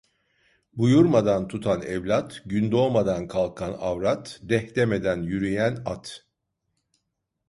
Buyurmadan tutan evlat, gün doğmadan kalkan avrat, deh demeden yürüyen at.